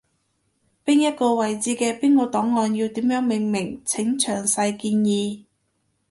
邊一個位置嘅邊個檔案要點樣命名，請詳細建議